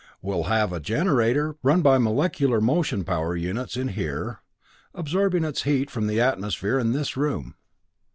We'll have a generator run by molecular motion power units in here, absorbing its heat from the atmosphere in this room.